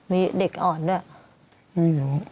มีเด็กอ่อนด้วย